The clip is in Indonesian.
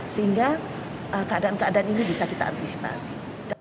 sehingga keadaan keadaan ini bisa kita antisipasi